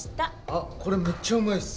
あっこれめっちゃうまいっす。